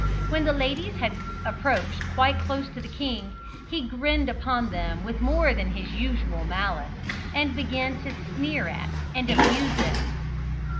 When the ladies had approached quite close to the king, he grinned upon them with more than his usual malice, and began to sneer at and abuse them.